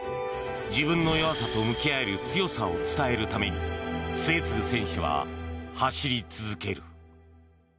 自分の弱さと向き合える強さを伝えるために末續選手は走り続ける。